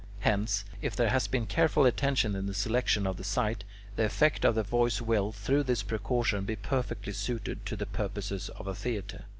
Hence, if there has been careful attention in the selection of the site, the effect of the voice will, through this precaution, be perfectly suited to the purposes of a theatre.